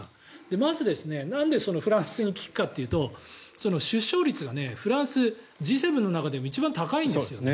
まず、なんでフランスに聞くかというと出生率がフランス、Ｇ７の中でも一番高いんですよね。